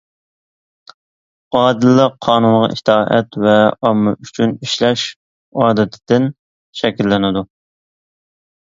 ئادىللىق قانۇنغا ئىتائەت ۋە ئامما ئۈچۈن ئىشلەش ئادىتىدىن شەكىللىنىدۇ.